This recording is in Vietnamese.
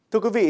thưa quý vị